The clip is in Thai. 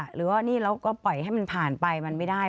หรือว่านี่เราก็ปล่อยให้มันผ่านไปมันไม่ได้